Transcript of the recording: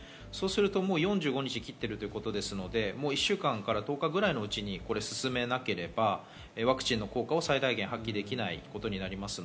４５日切っているということですから１週間から１０日のうちに進めなければ、ワクチンの効果を最大限に発揮できないことになります。